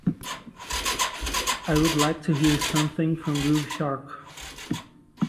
I would like to hear something from Groove Shark